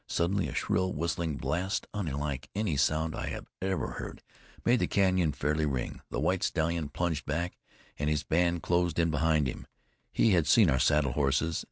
Suddenly a shrill, whistling blast, unlike any sound I had ever heard, made the canyon fairly ring. The white stallion plunged back, and his band closed in behind him. He had seen our saddle horses.